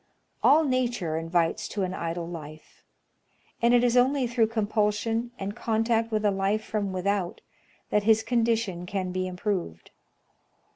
All nature invites to an idle life ; and it is only through compulsion, and contact with a life from without, that his condition can be improved.